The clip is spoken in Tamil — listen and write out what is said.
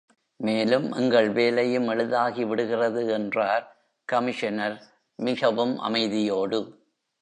மேலும், எங்கள் வேலையும் எளிதாகி விடுகிறது என்றார் கமிஷனர் மிகவும் அமைதியோடு.